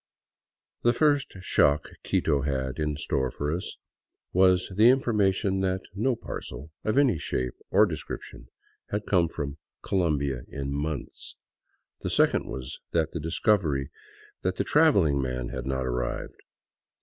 The first shock Quito had in store for us was the information that no parcel of any shape or description had come from Colombia in months, the second was the discovery that the traveling man had not arrived.